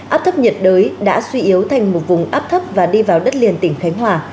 áp thấp nhiệt đới đã suy yếu thành một vùng áp thấp và đi vào đất liền tỉnh khánh hòa